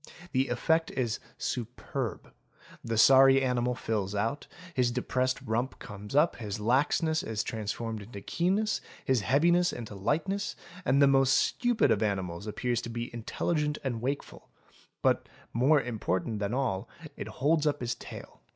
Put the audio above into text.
'The effect is superb; the sorry animal fills out, his depressed rump comes up, his laxness is transformed into keenness, his heaviness into lightness, — and the most stupid of animals appears to be intelligent and wakeful : but, more important than all, it holds up its tail.